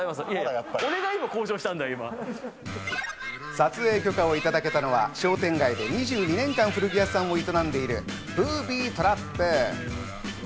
撮影許可をいただけたのは商店街で２２年間、古着屋さんを営んでいる、ＢｏｏｂｙＴＲＡＰ。